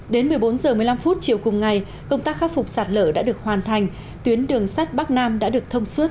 đến một mươi bốn h một mươi năm chiều cùng ngày công tác khắc phục sạt lở đã được hoàn thành tuyến đường sắt bắc nam đã được thông suốt